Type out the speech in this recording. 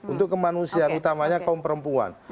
untuk kemanusiaan utamanya kaum perempuan